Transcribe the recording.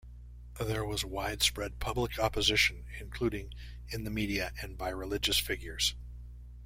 There was widespread public opposition including in the media and by religious figures.